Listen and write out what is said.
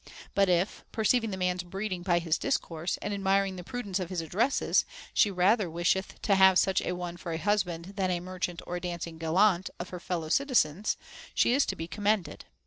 But if, perceiving the man's breeding by his discourse, and admiring the prudence of his addresses, she rather wisheth to have such a one for a husband than a merchant or a dancing gallant of her fellow citizens, she is to be com mended.